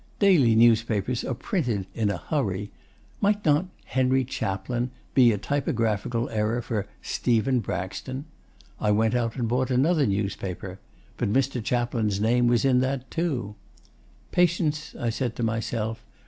Daily newspapers are printed in a hurry. Might not 'Henry Chaplin' be a typographical error for 'Stephen Braxton'? I went out and bought another newspaper. But Mr. Chaplin's name was in that too. 'Patience!' I said to myself.